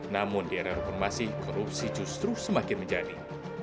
namun di era reformasi korupsi justru semakin menjadi